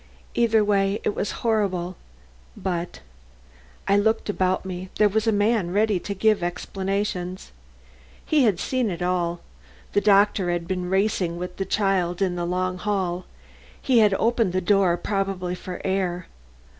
Either way it was horrible, but I looked about me; there was a man ready to give explanations. He had seen it all. The doctor had been racing with the child in the long hall. He had opened the door, probably for air.